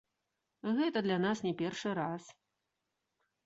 Гэта для нас не першы раз.